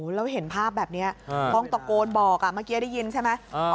แล้วเห็นภาพแบบนี้ต้องตะโกนบอกเมื่อกี้ได้ยินใช่ไหม